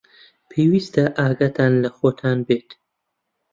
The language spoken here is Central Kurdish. پێویستە ئاگاتان لە خۆتان بێت.